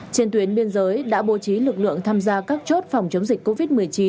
trên tuyến biên giới đã bố trí lực lượng tham gia các chốt phòng chống dịch covid một mươi chín